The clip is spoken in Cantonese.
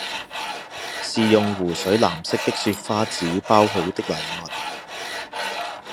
是用湖水藍色的雪花紙包好的禮物，